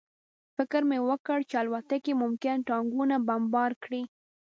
فکر مې وکړ چې الوتکې ممکن ټانکونه بمبار کړي